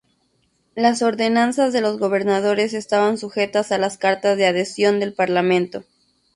Las ordenanzas de los gobernadores estaban sujetas a las cartas de adhesión del parlamento.